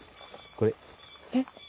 これえっ？